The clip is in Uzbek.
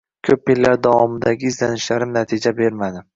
Ko‘p yillar davomidagi izlanishlarim natija bermadi.